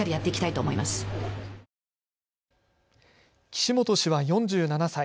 岸本氏は４７歳。